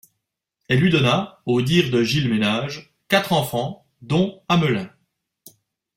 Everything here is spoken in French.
Elle lui donna, au dire de Gilles Ménage, quatre enfants, dont Hamelin.